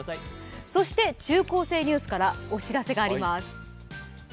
そして、「中高生ニュース」からお知らせがあります。